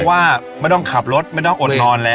ว่าไม่ต้องขับรถไม่ต้องอดนอนแล้ว